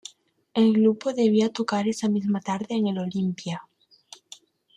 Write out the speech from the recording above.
El grupo debía tocar esa misma tarde en el Olympia.